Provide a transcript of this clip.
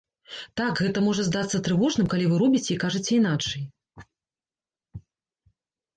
Так, гэта можа здацца трывожным, калі вы робіце і кажаце іначай.